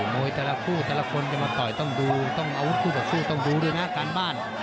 แต่ละคู่แต่ละคนจะมาต่อยต้องดูต้องอาวุธคู่ต่อสู้ต้องดูด้วยนะการบ้าน